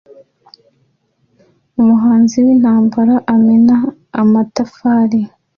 Umuhanzi wintambara amena amatafari